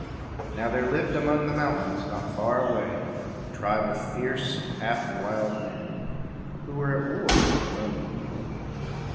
Now there lived among the mountains, not far away, a tribe of fierce, half wild men, who were at war with the Roman people.